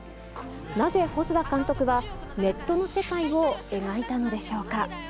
なぜ細田監督は、ネットの世界を描いたのでしょうか。